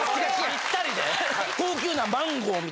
・ぴったりで。